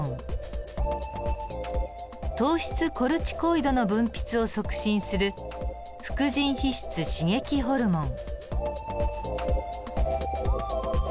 糖質コルチコイドの分泌を促進する副腎皮質刺激ホルモン。